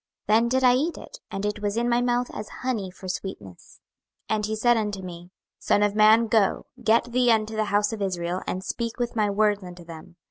Then did I eat it; and it was in my mouth as honey for sweetness. 26:003:004 And he said unto me, Son of man, go, get thee unto the house of Israel, and speak with my words unto them.